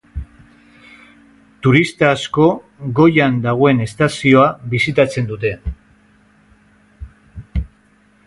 Turista asko goian dagoen estazioa bisitatzen dute.